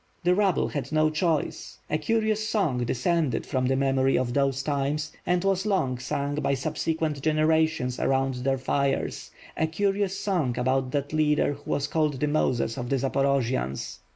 The rabble had no choice, a curious song descended from the memory of those times and was long sung by subsequent gen erations around their fires, a curious song about that leader wlio was called the Moses of the Zaporojians.